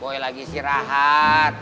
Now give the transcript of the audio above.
boy lagi sih rahat